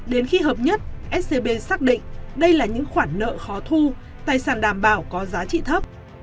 đến khi hợp nhất scb xác định đây là những khoản nợ khó thu tài sản đảm bảo có giá trị thấp